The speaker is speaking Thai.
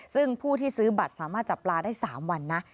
ซึ่งผู้ที่ซื้อบัตรสามารถจับปลาได้๓วันนะ